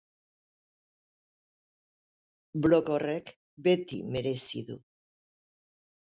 Blog horrek beti merezi du.